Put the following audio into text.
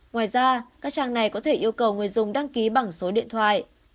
ngoài ra các trang này có thể yêu cầu người dùng đăng ký bằng số điện thoại